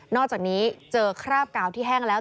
อกจากนี้เจอคราบกาวที่แห้งแล้ว